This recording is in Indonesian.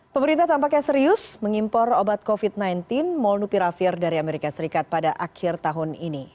pemerintah tampaknya serius mengimpor obat covid sembilan belas molnupiravir dari amerika serikat pada akhir tahun ini